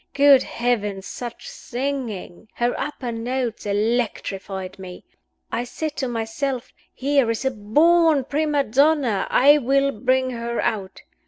Good Heavens, such singing! Her upper notes electrified me. I said to myself; 'Here is a born prima donna I will bring her out!